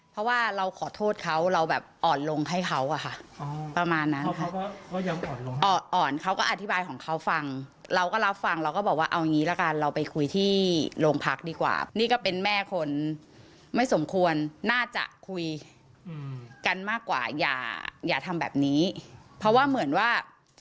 อย่าทำแบบนี้เพราะว่าเหมือนว่า